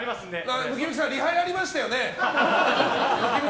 ムキムキさんリハやりましたよね？